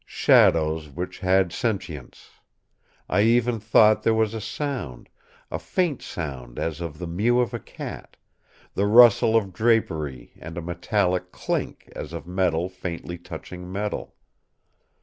Shadows which had sentience. I even thought there was sound, a faint sound as of the mew of a cat—the rustle of drapery and a metallic clink as of metal faintly touching metal.